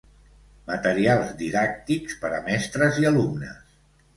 Materials didàctics per a mestres i alumnes.